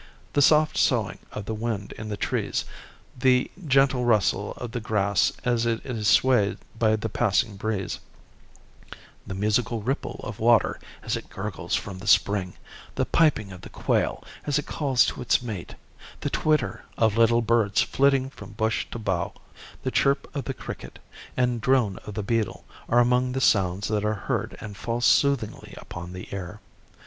The soft soughing of the wind in the trees; the gentle rustle of the grass as it is swayed by the passing breeze; the musical ripple of water as it gurgles from the spring; the piping of the quail as it calls to its mate; the twitter of little birds flitting from bush to bough; the chirp of the cricket and drone of the beetle are among the sounds that are heard and fall soothingly upon the ear.